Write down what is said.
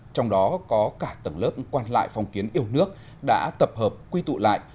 trong đó có cả tầng lớp quan lại phong kiến yêu nước đã tập hợp quy tụ lại